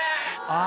あ。